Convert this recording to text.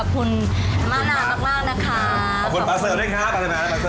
ขอบคุณป่าเสิร์ฐด้วยค่ะป่าเสิร์ฐ